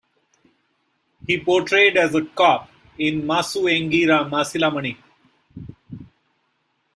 He portrayed as a cop in "Massu Engira Masilamani".